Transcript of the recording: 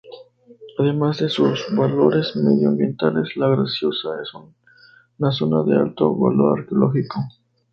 Además de sus valores medioambientales, La Graciosa es una zona de alto valor arqueológico.